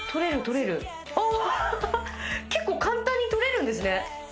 結構簡単に取れるんですね。